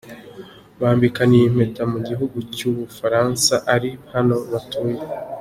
Bambikaniye impeta mu gihugu cy’u Bufaransa ari naho batuye.